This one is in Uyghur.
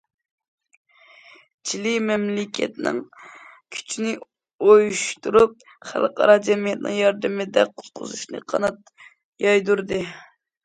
چىلى مەملىكەتنىڭ كۈچىنى ئۇيۇشتۇرۇپ، خەلقئارا جەمئىيەتنىڭ ياردىمىدە قۇتقۇزۇشنى قانات يايدۇردى.